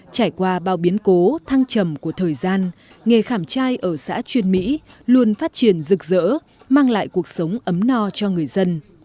trải qua bao biến cố thăng trầm của thời gian nghề khảm trai ở xã chuyên mỹ luôn phát triển rực rỡ mang lại cuộc sống ấm no cho người dân